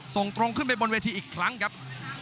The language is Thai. ส่งตรงขึ้นไปบนเวทีอีกครั้งครับ